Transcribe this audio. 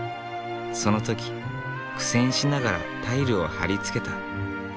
その時苦戦しながらタイルを張り付けた。